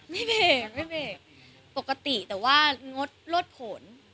ไม่เป็กปกติแต่ว่างดลดผล